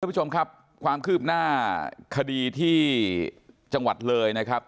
ผู้ชมครับความคืบหน้าคดีที่จังหวัดเลยนะครับ